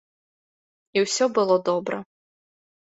І ўсё было добра.